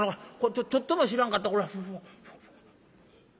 ちょっとも知らんかった」。